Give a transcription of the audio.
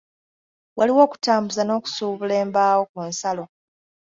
Waliwo okutambuza n'okusuubula embaawo ku nsalo.